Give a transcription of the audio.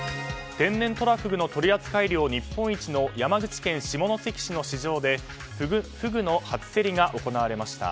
天然トラフグの取扱量日本一の山口県下関市の市場でフグの初競りが行われました。